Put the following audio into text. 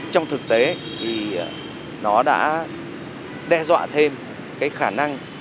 trong thực tế thì nó đã đe dọa thêm cái khả năng